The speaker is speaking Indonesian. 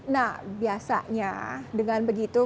nah biasanya dengan begitu